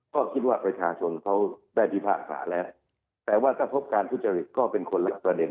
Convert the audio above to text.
ก็คิดว่าประชาชนเขาได้พิพากษาแล้วแต่ว่าถ้าพบการทุจริตก็เป็นคนละประเด็น